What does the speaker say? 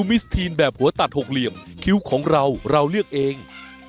มิสทีนแบบหัวตัดหกเหลี่ยมคิ้วของเราเราเลือกเอง